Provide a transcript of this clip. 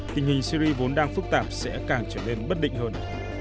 tình hình syri vốn đang phức tạp sẽ càng trở nên bất định hơn